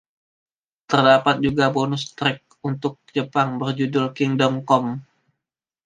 Terdapat juga bonus trek untuk Jepang berjudul “Kingdom Come”.